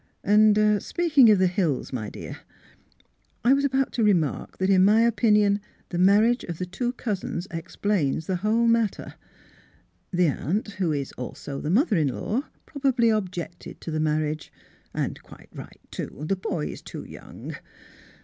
— And — er — speaking of the Hills, my dear, I was about to remark that in my opinion the marriage of the two cousins explains the whole matter: the aunt, who is also the mother in law, probably objected to the marriage; and quite right, too. The boy is too young.